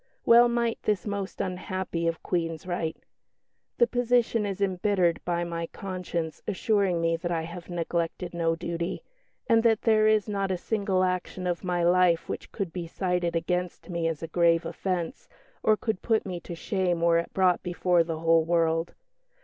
Well might this most unhappy of Queens write, "The position is embittered by my conscience assuring me that I have neglected no duty, and that there is not a single action of my life which could be cited against me as a grave offence, or could put me to shame were it brought before the whole world.